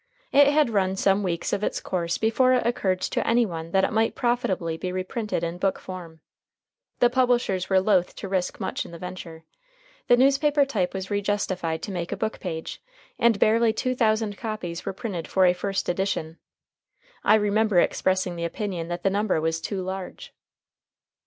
It had run some weeks of its course before it occurred to any one that it might profitably be reprinted in book form. The publishers were loath to risk much in the venture. The newspaper type was rejustified to make a book page, and barely two thousand copies were printed for a first edition. I remember expressing the opinion that the number was too large.